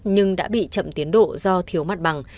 nhưng đã bị chậm tiến độ do thiếu mặt bằng